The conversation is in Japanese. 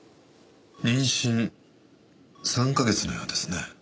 妊娠３カ月のようですね。